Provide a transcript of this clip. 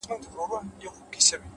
هره هڅه شخصیت پیاوړی کوي،